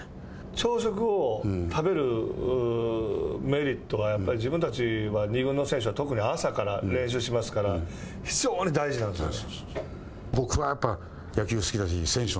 朝食を食べるメリットってやっぱり自分たちは２軍の選手は、特に、朝から練習しますから非常に大事なんですよね。